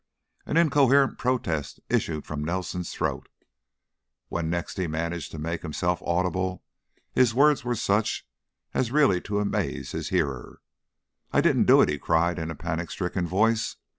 An incoherent protest issued from Nelson's throat. When next he managed to make himself audible, his words were such as really to amaze his hearer. "I didn't do it," he cried, in a panic stricken voice.